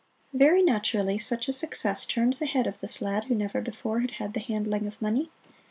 Very naturally, such a success turned the head of this lad who never before had had the handling of money.